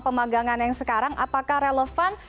pemagangan yang sekarang apakah relevan